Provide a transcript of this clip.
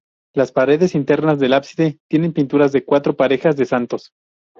Las paredes internas del ábside tienen pinturas de cuatro parejas de santos.